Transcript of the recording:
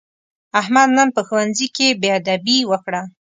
احمد نن په ښوونځي کې بېادبي وکړه.